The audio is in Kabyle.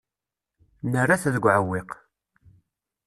Nerra-t deg uɛewwiq.